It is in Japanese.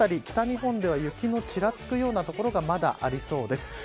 北日本では雪のちらつくような所がまだありそうです。